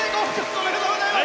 おめでとうございます。